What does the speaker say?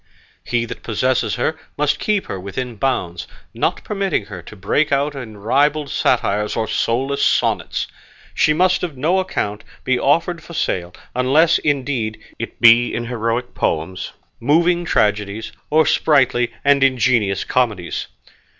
He that possesses her must keep her within bounds, not permitting her to break out in ribald satires or soulless sonnets. She must on no account be offered for sale, unless, indeed, it be in heroic poems, moving tragedies, or sprightly and ingenious comedies.